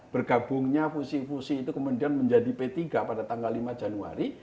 bergabungnya fusi fusi itu kemudian menjadi p tiga pada tanggal lima januari